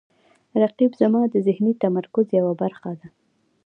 رقیب زما د ذهني تمرکز یوه برخه ده